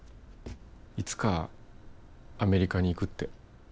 いつかアメリカに行くって。